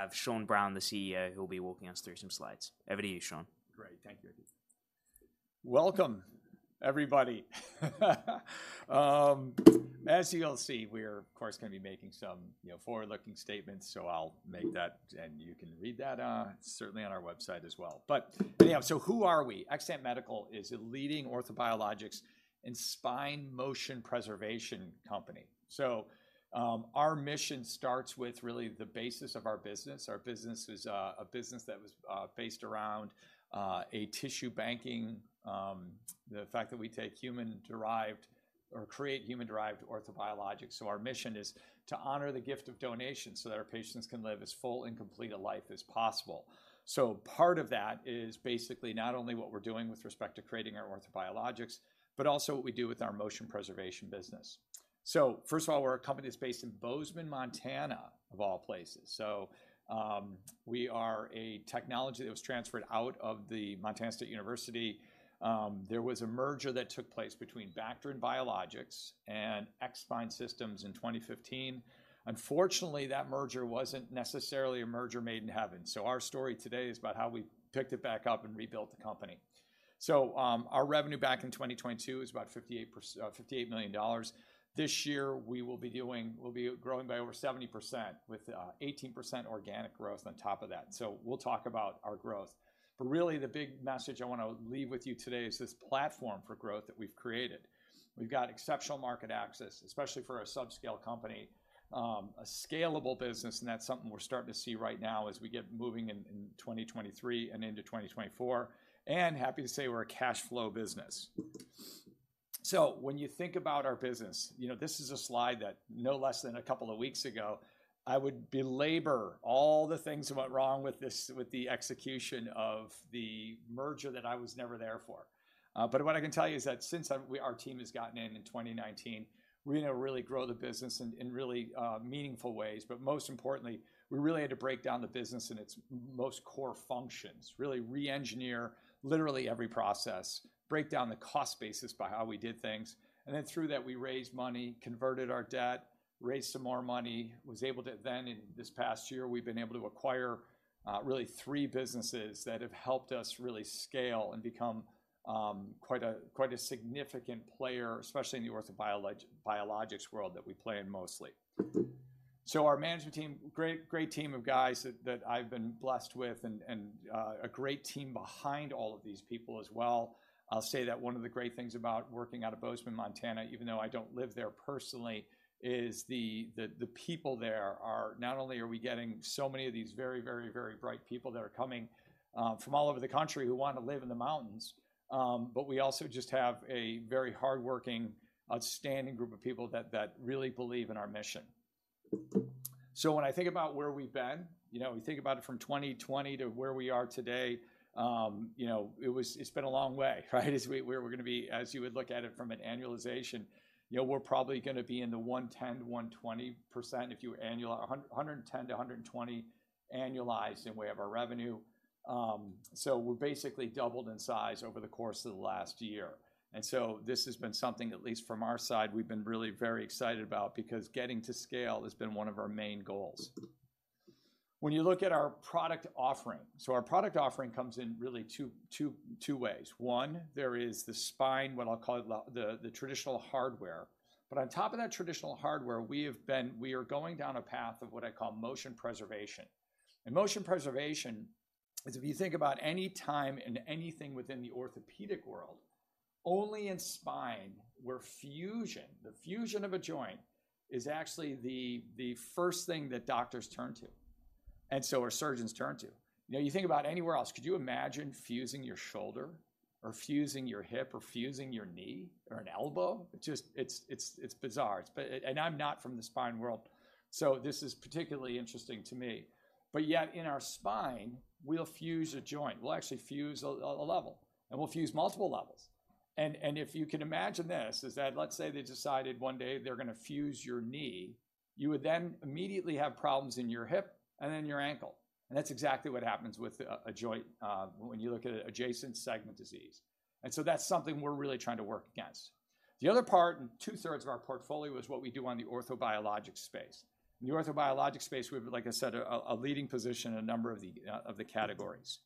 I have Sean Browne, the CEO, who will be walking us through some slides. Over to you, Sean. Great. Thank you. Welcome, everybody. As you'll see, we're, of course, gonna be making some, you know, forward-looking statements, so I'll make that, and you can read that, certainly on our website as well. But yeah, so who are we? Xtant Medical is a leading orthobiologics and spine motion preservation company. So, our mission starts with really the basis of our business. Our business is, a business that was based around, a tissue banking, the fact that we take human-derived or create human-derived orthobiologics. So our mission is to honor the gift of donation so that our patients can live as full and complete a life as possible. So part of that is basically not only what we're doing with respect to creating our orthobiologics, but also what we do with our motion preservation business. So first of all, we're a company that's based in Bozeman, Montana, of all places. So, we are a technology that was transferred out of the Montana State University. There was a merger that took place between Bacterin and biologics and X-spine Systems in 2015. Unfortunately, that merger wasn't necessarily a merger made in heaven. So our story today is about how we picked it back up and rebuilt the company. So, our revenue back in 2022 was about $58 million. This year, we'll be growing by over 70%, with 18% organic growth on top of that. So we'll talk about our growth. But really, the big message I wanna leave with you today is this platform for growth that we've created. We've got exceptional market access, especially for a subscale company, a scalable business, and that's something we're starting to see right now as we get moving in 2023 and into 2024. And happy to say we're a cash flow business. So when you think about our business, you know, this is a slide that no less than a couple of weeks ago, I would belabor all the things that went wrong with this, with the execution of the merger that I was never there for. But what I can tell you is that since we, our team has gotten in 2019, we're gonna really grow the business in really meaningful ways. But most importantly, we really had to break down the business in its most core functions, really re-engineer literally every process, break down the cost basis by how we did things, and then through that, we raised money, converted our debt, raised some more money, was able to then, in this past year, we've been able to acquire really three businesses that have helped us really scale and become quite a significant player, especially in the orthobiologics world that we play in mostly. So our management team, great team of guys that I've been blessed with and a great team behind all of these people as well. I'll say that one of the great things about working out of Bozeman, Montana, even though I don't live there personally, is the people there are. Not only are we getting so many of these very, very, very bright people that are coming from all over the country who want to live in the mountains, but we also just have a very hardworking, outstanding group of people that, that really believe in our mission. So when I think about where we've been, you know, we think about it from 2020 to where we are today, you know, it's been a long way, right? We're gonna be, as you would look at it from an annualization, you know, we're probably gonna be in the 110% to 120% if you annualize. 110-120 annualized in way of our revenue. So we're basically doubled in size over the course of the last year. This has been something, at least from our side, we've been really very excited about because getting to scale has been one of our main goals. When you look at our product offering, so our product offering comes in really two ways. One, there is the spine, what I'll call the traditional hardware. But on top of that traditional hardware, we are going down a path of what I call motion preservation. And motion preservation is if you think about any time and anything within the orthopedic world, only in spine, where fusion, the fusion of a joint, is actually the first thing that doctors turn to, and so where surgeons turn to. You know, you think about anywhere else, could you imagine fusing your shoulder or fusing your hip or fusing your knee or an elbow? It's just bizarre. And I'm not from the spine world, so this is particularly interesting to me. But yet in our spine, we'll fuse a joint. We'll actually fuse a level, and we'll fuse multiple levels. And if you can imagine this, is that let's say they decided one day they're gonna fuse your knee, you would then immediately have problems in your hip and then your ankle. And that's exactly what happens with a joint when you look at adjacent segment disease. And so that's something we're really trying to work against. The other part, and two-thirds of our portfolio, is what we do in the orthobiologics space. In the orthobiologics space, we have, like I said, a leading position in a number of the categories.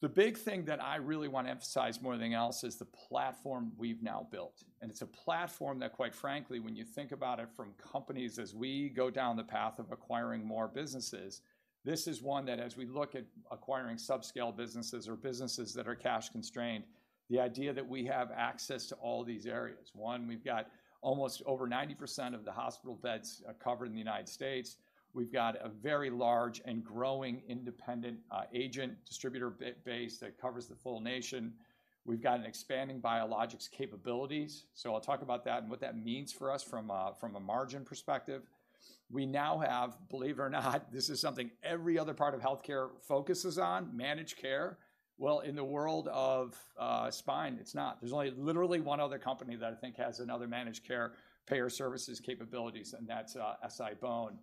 The big thing that I really want to emphasize more than anything else is the platform we've now built, and it's a platform that, quite frankly, when you think about it from companies, as we go down the path of acquiring more businesses, this is one that as we look at acquiring subscale businesses or businesses that are cash-constrained, the idea that we have access to all these areas. One, we've got almost over 90% of the hospital beds covered in the United States. We've got a very large and growing independent agent distributor base that covers the full nation. We've got an expanding biologics capabilities, so I'll talk about that and what that means for us from a margin perspective. We now have, believe it or not, this is something every other part of healthcare focuses on: managed care. Well, in the world of spine, it's not. There's only literally one other company that I think has another managed care payer services capabilities, and that's SI-BONE,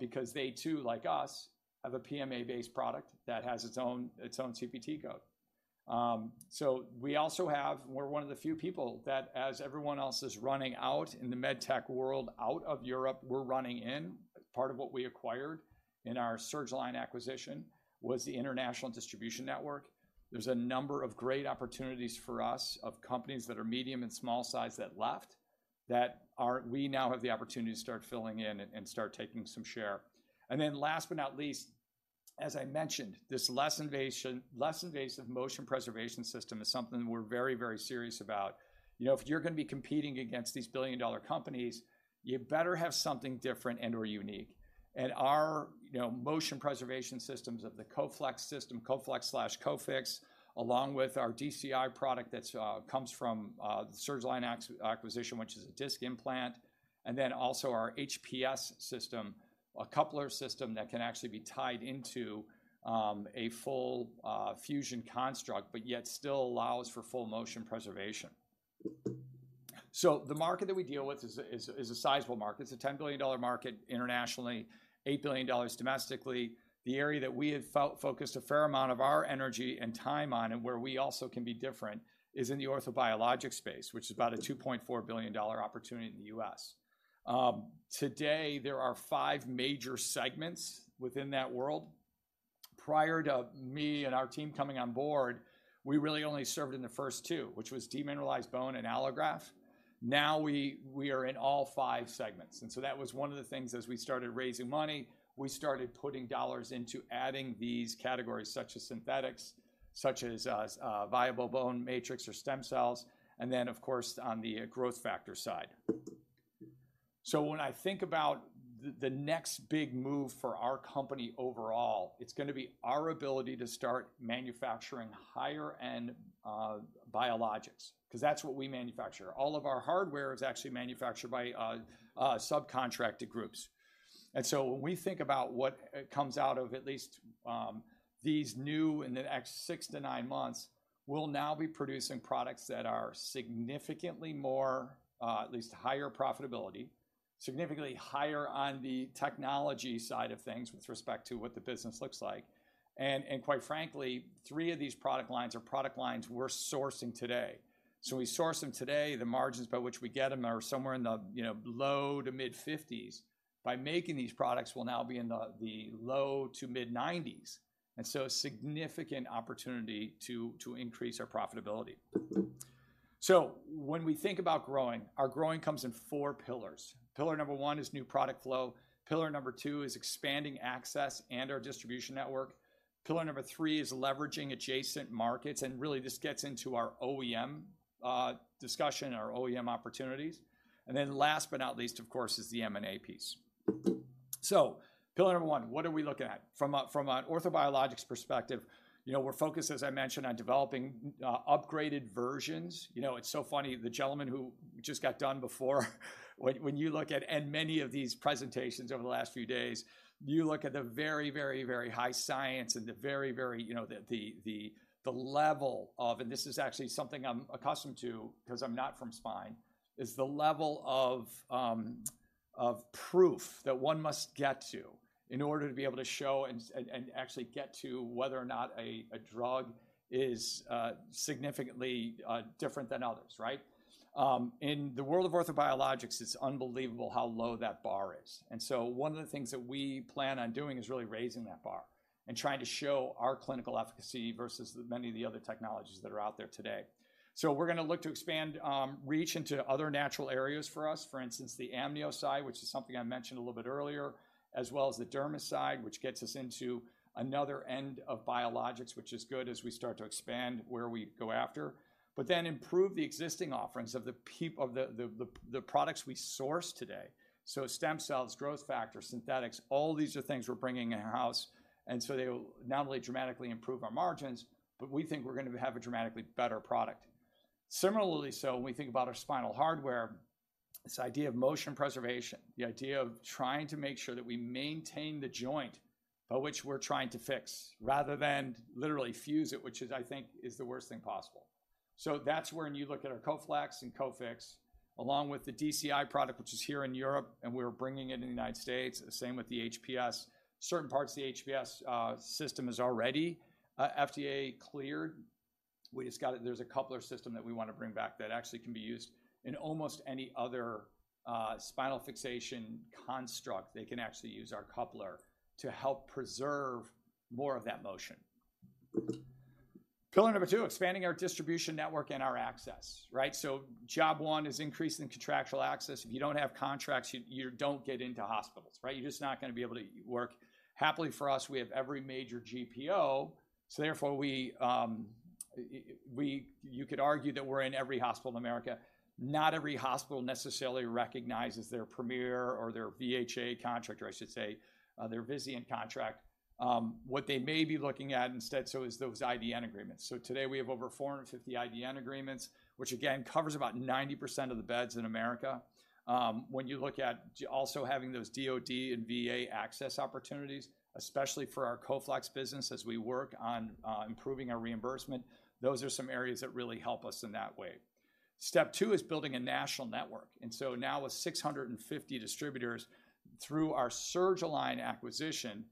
because they too, like us, have a PMA-based product that has its own, its own CPT code. So we also have, we're one of the few people that as everyone else is running out in the med tech world, out of Europe, we're running in. Part of what we acquired in our Surgalign acquisition was the international distribution network. There's a number of great opportunities for us of companies that are medium and small size that left, that are, we now have the opportunity to start filling in and, and start taking some share. And then last but not least, as I mentioned, this less invasion, less invasive motion preservation system is something we're very, very serious about. You know, if you're gonna be competing against these billion-dollar companies, you better have something different and/or unique. Our, you know, motion preservation systems of the Coflex system, Coflex/coFix, along with our DCI product that's comes from the Surgalign acquisition, which is a disc implant, and then also our HPS system, a coupler system that can actually be tied into a full fusion construct, but yet still allows for full motion preservation. So the market that we deal with is a sizable market. It's a $10 billion market internationally, $8 billion domestically. The area that we have focused a fair amount of our energy and time on, and where we also can be different, is in the orthobiologics space, which is about a $2.4 billion opportunity in the U.S. Today, there are five major segments within that world. Prior to me and our team coming on board, we really only served in the first two, which was demineralized bone and allograft. Now we are in all five segments, and so that was one of the things as we started raising money, we started putting dollars into adding these categories such as synthetics, such as viable bone matrix or stem cells, and then, of course, on the growth factor side. So when I think about the next big move for our company overall, it's gonna be our ability to start manufacturing higher-end biologics, 'cause that's what we manufacture. All of our hardware is actually manufactured by subcontracted groups. And so when we think about what comes out of at least these new in the next six to nine months, we'll now be producing products that are significantly more at least higher profitability, significantly higher on the technology side of things with respect to what the business looks like. And quite frankly, three of these product lines are product lines we're sourcing today. So we source them today, the margins by which we get them are somewhere in the, you know, low to mid-50s. By making these products, we'll now be in the low to mid-90s, and so a significant opportunity to increase our profitability. So when we think about growing, our growing comes in four pillars. Pillar number one is new product flow. Pillar number two is expanding access and our distribution network. Pillar number three is leveraging adjacent markets, and really this gets into our OEM discussion, our OEM opportunities. And then last but not least, of course, is the M&A piece. So pillar number one, what are we looking at? From an orthobiologics perspective, you know, we're focused, as I mentioned, on developing upgraded versions. You know, it's so funny, the gentleman who just got done before, when you look at... and many of these presentations over the last few days, you look at the very, very, very high science and the very, very, you know, level of, and this is actually something I'm accustomed to because I'm not from spine, is the level of proof that one must get to in order to be able to show and actually get to whether or not a drug is significantly different than others, right? In the world of orthobiologics, it's unbelievable how low that bar is. And so one of the things that we plan on doing is really raising that bar and trying to show our clinical efficacy versus many of the other technologies that are out there today. So we're gonna look to expand reach into other natural areas for us. For instance, the amnio side, which is something I mentioned a little bit earlier, as well as the dermis side, which gets us into another end of biologics, which is good as we start to expand where we go after, but then improve the existing offerings of the products we source today. So stem cells, growth factors, synthetics, all these are things we're bringing in-house, and so they will not only dramatically improve our margins, but we think we're gonna have a dramatically better product. Similarly, so when we think about our spinal hardware, this idea of motion preservation, the idea of trying to make sure that we maintain the joint by which we're trying to fix, rather than literally fuse it, which is, I think, the worst thing possible. So that's when you look at our Coflex and CoFix, along with the DCI product, which is here in Europe, and we're bringing it in the United States, the same with the HPS. Certain parts of the HPS system is already FDA cleared. We just got it. There's a coupler system that we wanna bring back that actually can be used in almost any other spinal fixation construct. They can actually use our coupler to help preserve more of that motion. Pillar number two, expanding our distribution network and our access, right? So job one is increasing contractual access. If you don't have contracts, you don't get into hospitals, right? You're just not gonna be able to work. Happily for us, we have every major GPO, so therefore, we you could argue that we're in every hospital in America. Not every hospital necessarily recognizes their Premier or their VHA contract, or I should say, their Vizient contract. What they may be looking at instead, so is those IDN agreements. So today, we have over 450 IDN agreements, which again, covers about 90% of the beds in America. When you look at also having those DoD and VA access opportunities, especially for our Coflex business, as we work on, improving our reimbursement, those are some areas that really help us in that way. Step two is building a national network. And so now with 650 distributors through our Surgalign acquisition,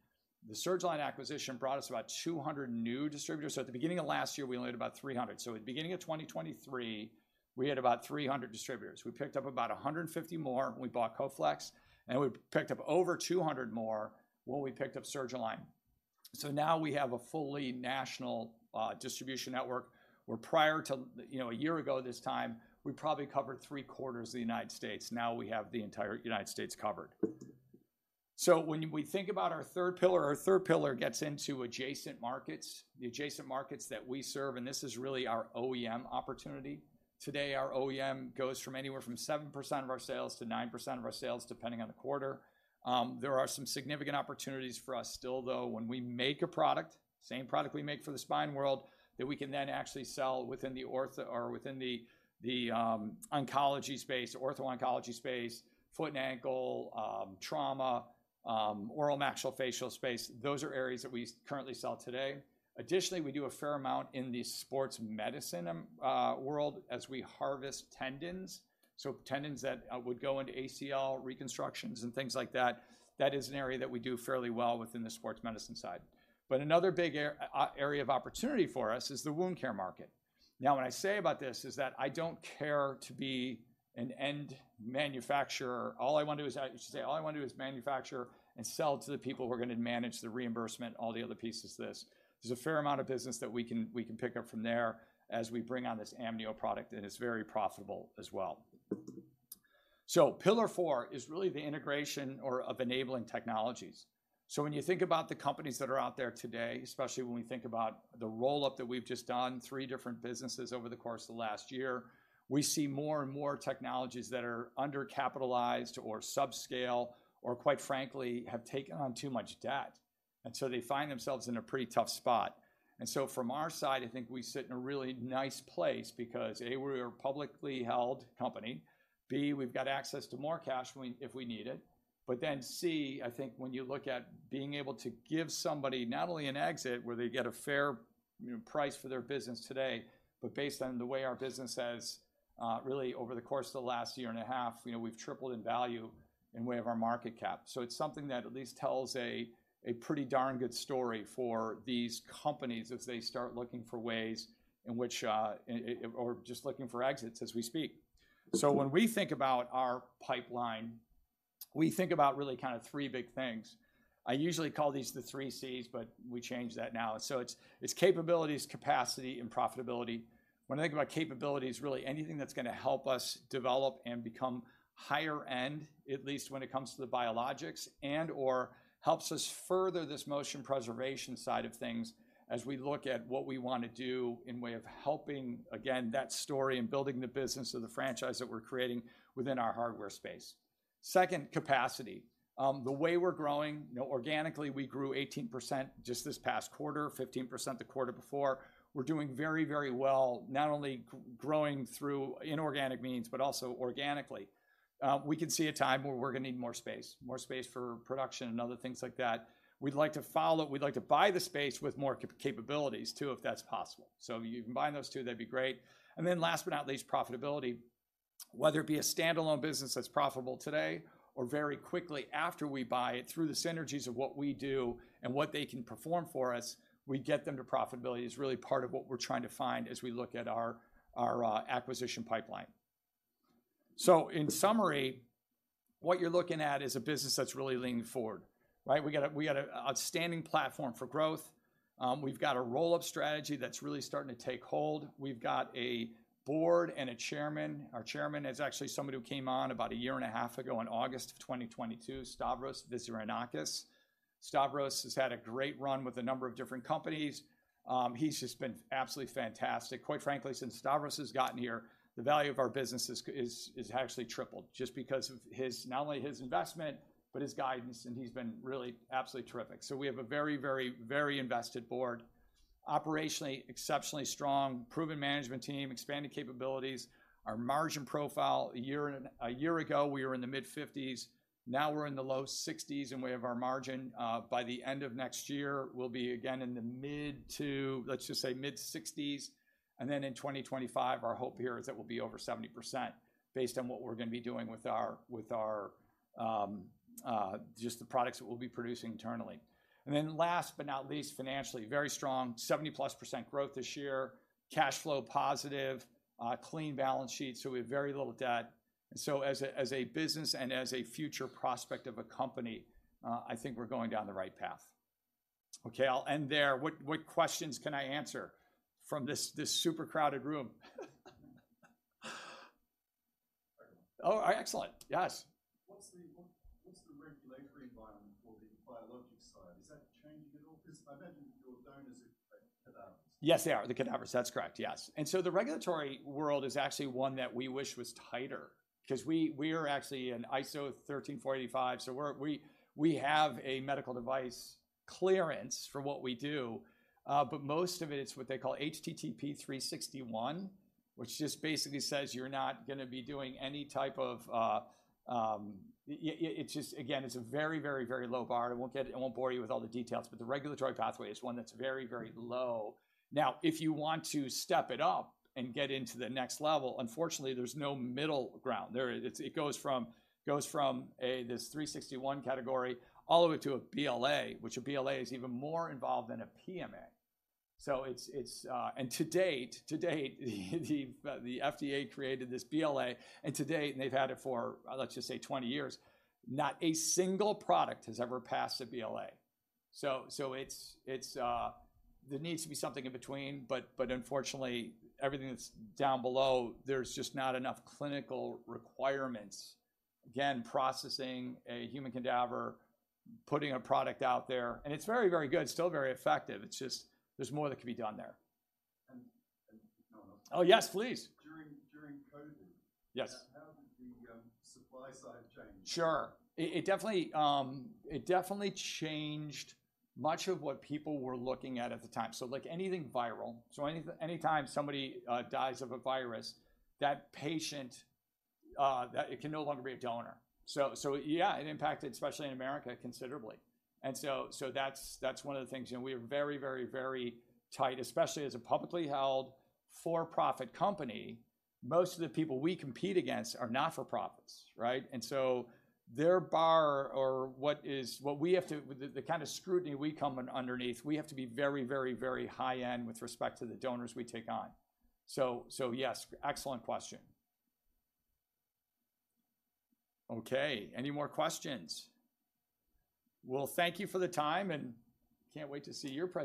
the Surgalign acquisition brought us about 200 new distributors. So at the beginning of last year, we only had about 300. So at the beginning of 2023, we had about 300 distributors. We picked up about 150 more when we bought Coflex, and we picked up over 200 more when we picked up Surgalign. So now we have a fully national distribution network, where prior to, you know, a year ago this time, we probably covered three-quarters of the United States. Now we have the entire United States covered. So when we think about our third pillar, our third pillar gets into adjacent markets, the adjacent markets that we serve, and this is really our OEM opportunity. Today, our OEM goes from anywhere from 7% of our sales to 9% of our sales, depending on the quarter. There are some significant opportunities for us still, though, when we make a product, same product we make for the spine world, that we can then actually sell within the ortho or within the oncology space, ortho-oncology space, foot and ankle, trauma, oral maxillofacial space. Those are areas that we currently sell today. Additionally, we do a fair amount in the sports medicine world as we harvest tendons. So tendons that would go into ACL reconstructions and things like that. That is an area that we do fairly well within the sports medicine side. But another big area of opportunity for us is the wound care market. Now, what I say about this is that I don't care to be an end manufacturer. All I want to do is say, all I want to do is manufacture and sell to the people who are gonna manage the reimbursement, all the other pieces of this. There's a fair amount of business that we can, we can pick up from there as we bring on this amnio product, and it's very profitable as well. So pillar four is really the integration or of enabling technologies. So when you think about the companies that are out there today, especially when we think about the roll-up that we've just done, three different businesses over the course of the last year, we see more and more technologies that are undercapitalized or subscale or quite frankly, have taken on too much debt. And so they find themselves in a pretty tough spot. From our side, I think we sit in a really nice place because A, we're a publicly held company, B, we've got access to more cash when, if we need it. But then C, I think when you look at being able to give somebody not only an exit, where they get a fair, you know, price for their business today, but based on the way our business has really over the course of the last year and a half, you know, we've tripled in value in way of our market cap. So it's something that at least tells a pretty darn good story for these companies as they start looking for ways in which or just looking for exits as we speak. So when we think about our pipeline, we think about really kind of three big things. I usually call these the three Cs, but we changed that now. So it's capabilities, capacity, and profitability. When I think about capabilities, really anything that's gonna help us develop and become higher end, at least when it comes to the biologics, and/or helps us further this motion preservation side of things as we look at what we want to do in way of helping, again, that story and building the business of the franchise that we're creating within our hardware space. Second, capacity. The way we're growing, you know, organically, we grew 18% just this past quarter, 15% the quarter before. We're doing very, very well, not only growing through inorganic means, but also organically. We can see a time where we're gonna need more space, more space for production and other things like that. We'd like to buy the space with more capabilities, too, if that's possible. So if you combine those two, that'd be great. And then last but not least, profitability. Whether it be a standalone business that's profitable today or very quickly after we buy it through the synergies of what we do and what they can perform for us, we get them to profitability is really part of what we're trying to find as we look at our acquisition pipeline. So in summary, what you're looking at is a business that's really leaning forward, right? We got an outstanding platform for growth. We've got a roll-up strategy that's really starting to take hold. We've got a board and a chairman. Our chairman is actually somebody who came on about a year and a half ago in August of 2022, Stavros Vizirgianakis. Stavros has had a great run with a number of different companies. He's just been absolutely fantastic. Quite frankly, since Stavros has gotten here, the value of our business is actually tripled just because of his, not only his investment, but his guidance, and he's been really absolutely terrific. So we have a very, very, very invested board. Operationally, exceptionally strong, proven management team, expanded capabilities. Our margin profile, a year ago, we were in the mid-50s. Now we're in the low 60s in way of our margin. By the end of next year, we'll be again in the mid- to, let's just say mid-60s. Then in 2025, our hope here is that we'll be over 70% based on what we're gonna be doing with our just the products that we'll be producing internally. And then last but not least, financially, very strong, 70+% growth this year, cash flow positive, clean balance sheet, so we have very little debt. And so as a business and as a future prospect of a company, I think we're going down the right path. Okay, I'll end there. What questions can I answer from this super crowded room? Oh, excellent. Yes. What's the regulatory environment for the biologic side? Is that changing at all? Because I imagine your donors are cadavers. Yes, they are, the cadavers. That's correct, yes. And so the regulatory world is actually one that we wish was tighter because we, we are actually an ISO 13485, so we're, we, we have a medical device clearance for what we do. But most of it, it's what they call HCT/P 361, which just basically says you're not gonna be doing any type of, it's just, again, it's a very, very, very low bar. I won't get, I won't bore you with all the details, but the regulatory pathway is one that's very, very low. Now, if you want to step it up and get into the next level, unfortunately, there's no middle ground. There, it's, it goes from, goes from a, this 361 category, all the way to a BLA, which a BLA is even more involved than a PMA. So it's the FDA created this BLA, and to date, they've had it for, let's just say 20 years, not a single product has ever passed a BLA. So it's there needs to be something in between, but unfortunately, everything that's down below, there's just not enough clinical requirements. Again, processing a human cadaver, putting a product out there, and it's very, very good, still very effective. It's just there's more that can be done there. And one more. Oh, yes, please. During COVID, Yes. How did the supply side change? Sure. It definitely changed much of what people were looking at at the time. So like anything viral, so anytime somebody dies of a virus, that patient can no longer be a donor. So yeah, it impacted, especially in America, considerably. And so that's one of the things, and we are very, very, very tight, especially as a publicly held, for-profit company. Most of the people we compete against are not-for-profits, right? And so their bar or what is, what we have to, with the kind of scrutiny we come underneath, we have to be very, very, very high-end with respect to the donors we take on. So yes, excellent question. Okay, any more questions? Well, thank you for the time, and can't wait to see your presentation.